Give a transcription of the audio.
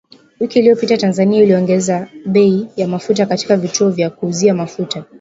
Wiki iliyopitaTanzania iliongeza bei ya mafuta katika vituo vya kuuzia mafuta